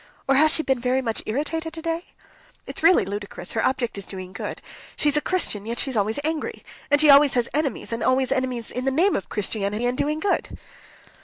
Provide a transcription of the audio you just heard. "Or has she been very much irritated today? It's really ludicrous; her object is doing good; she a Christian, yet she's always angry; and she always has enemies, and always enemies in the name of Christianity and doing good."